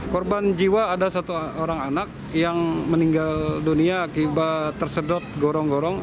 korban jiwa ada satu orang anak yang meninggal dunia akibat tersedot gorong gorong